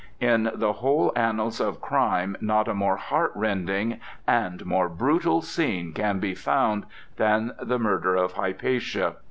'" In the whole annals of crime not a more heart rending and more brutal scene can be found than the murder of Hypatia.